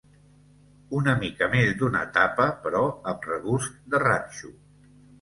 Una mica més d'una tapa, però amb regust de ranxo.